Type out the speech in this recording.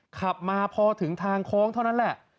ขับมาพอถึงทางโค้งเท่านั้นแหละ